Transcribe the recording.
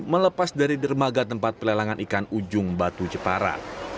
melepas dari dermaga tempat pelelangan ikan ujung batu jepara